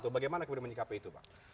bagaimana kemudian menyikapi itu pak